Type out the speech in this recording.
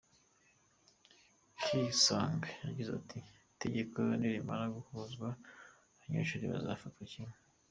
Kipsang yagize ati "Itegeko nirimara guhuzwa, abanyeshuri bazafatwa kimwe.